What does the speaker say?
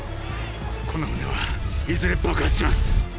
この船はいずれ爆発します